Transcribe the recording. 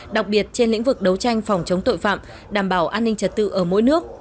đặc biệt trên lĩnh vực đấu tranh phòng chống tội phạm đảm bảo an ninh trật tự ở mỗi nước